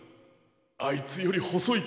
あいつよりほそい